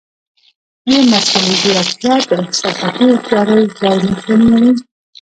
ایا مصنوعي ځیرکتیا د احساساتي هوښیارۍ ځای نه شي نیولی؟